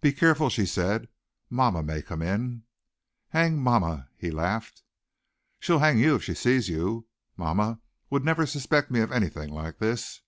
"Be careful," she said, "mamma may come in." "Hang mamma!" he laughed. "She'll hang you if she sees you. Mamma would never suspect me of anything like this."